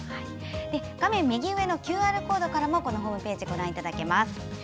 画面右上のＱＲコードからもこのホームページご覧いただけます。